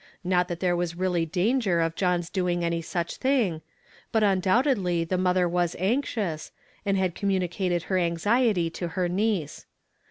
Not that there was really danger of John's doing any such thing ; but undoubtedly the mother was anxious, and had communicated her anxiety to her niece.